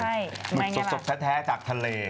มาแย่แย่แบบอุ๊ยชอบทะแท้ทักทะเล